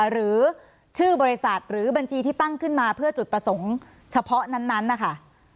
หรือชื่อบริษัทหรือบัญชีที่ตั้งขึ้นมาเพื่อจุดประสงค์เฉพาะนั้นนะคะ